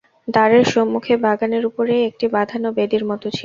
দ্বারের সম্মুখে বাগানের উপরেই একটি বাঁধানো বেদির মতো ছিল।